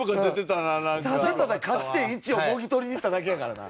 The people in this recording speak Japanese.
ただただ勝ち点１をもぎ取りにいっただけやからな。